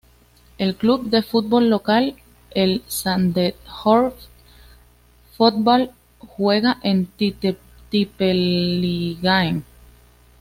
El club de fútbol local, el Sandefjord Fotball, juega en la Tippeligaen.